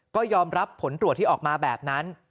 ก็ยอมรับผลตรวจที่ออกมาแบบนั้น